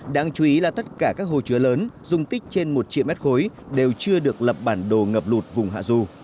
đáng chú ý là tất cả các hồ chứa lớn dung tích trên một triệu mét khối đều chưa được lập bản đồ ngập lụt vùng hạ du